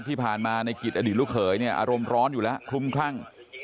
ที่ผ่านมาในกิจอดีตลูกเขยเนี่ยอารมณ์ร้อนอยู่แล้วคลุมคลั่ง